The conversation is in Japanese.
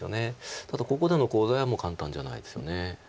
ただここでのコウ材はもう簡単じゃないですよね。